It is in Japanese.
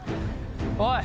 おい。